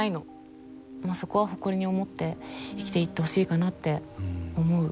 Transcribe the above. まあそこは誇りに思って生きていってほしいかなって思う。